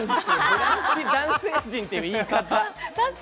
「ブランチ」男性陣って言い方。